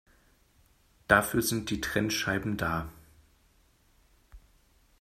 Dafür sind die Trennscheiben da.